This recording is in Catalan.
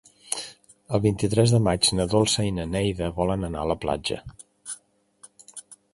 El vint-i-tres de maig na Dolça i na Neida volen anar a la platja.